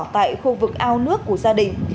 tại khu vực ao nước của gia đình